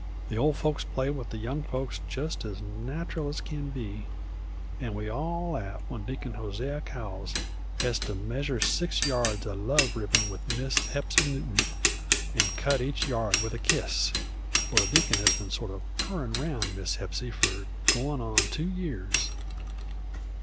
The ol' folks play with the young folks just as nat'ral as can be; and we all laugh when Deacon Hosea Cowles hez to measure six yards of love ribbon with Miss Hepsy Newton, and cut each yard with a kiss; for the deacon hez been sort o' purrin' round Miss Hepsy for goin' on two years.